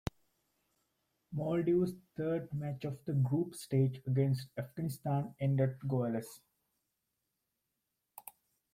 Maldives' third match of the group stage against Afghanistan ended goalless.